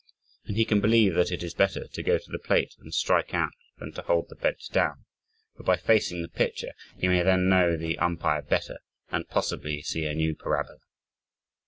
And he can believe that it is better to go to the plate and strike out than to hold the bench down, for by facing the pitcher, he may then know the umpire better, and possibly see a new parabola.